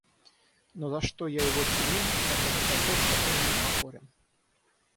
Но за что я его ценю, так это за то, что он мне покорен.